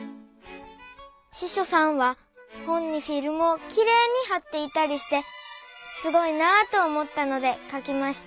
ししょさんは本にフィルムをきれいにはっていたりしてすごいなと思ったのでかきました。